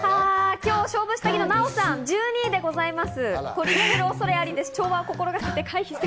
今日、勝負下着のナヲさん、１２位でございます。